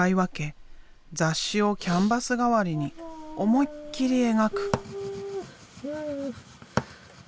雑誌をキャンバス代わりに思いっきり描く！